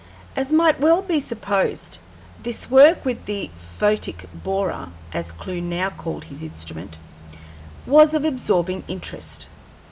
As might well be supposed, this work with the "photic borer," as Clewe now called his instrument, was of absorbing interest.